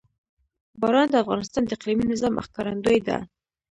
باران د افغانستان د اقلیمي نظام ښکارندوی ده.